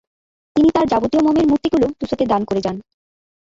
তিনি তার যাবতীয় মোমের মূর্তিগুলো তুসোকে দান করে যান।